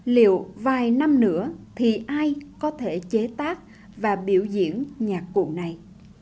liệu vài năm nữa thì ai có thể chế tác và biểu diễn nhạc cụ này